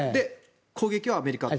攻撃はアメリカ。